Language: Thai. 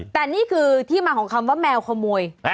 แต่นี่คือที่มาของคำว่าแมวขโมย